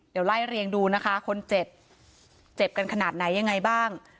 เดี๋ยวไล่เรียงดูนะคะคนเจ็บเจ็บกันขนาดไหนยังไงบ้าง